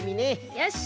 よし。